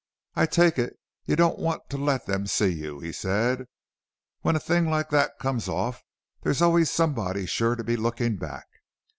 "I take it you don't want to let them see you," he said. "When a thing like that comes off there's always somebody sure to be lookin' back."